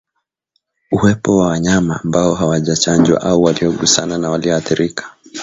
Uwepo wa wanyama ambao hawajachanjwa au waliogusana na walioathirika